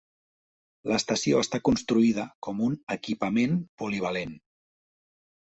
L'estació està construïda com un "equipament polivalent".